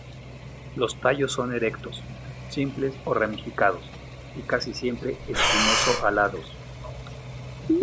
Los tallos son erectos, simples o ramificados y casi siempre espinoso-alados.